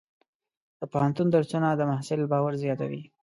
د پوهنتون درسونه د محصل باور زیاتوي.